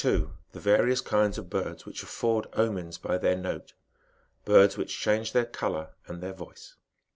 — THE VAEIOrS KINDS OF BIEDS WHICH AFFORD OMENS BY THEIE NOTE BIKDS WHICH CHANGE THEIE COLOUE AND THEIB VOICE.